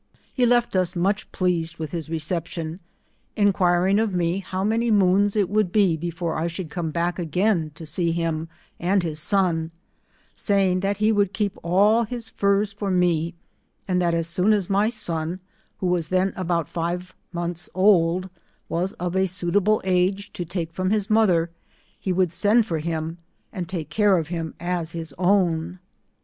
He left us much pleased with his receplion, enquiring of me how many moons it would be before I should come hack again to see him and his son; saying, that he would keep all his furs for me, and that as soon as my son, who was then about Gve months old, was of a suitable age to take from his mother, he would send for him, and take care of him as his own.